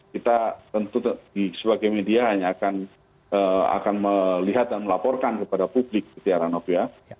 kita tentu sebagai media hanya akan melihat dan melaporkan kepada publik tiaranov ya